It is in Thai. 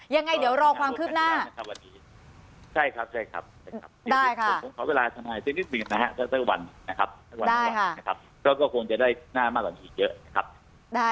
ยังไงเดี๋ยวรอความคืบหน้า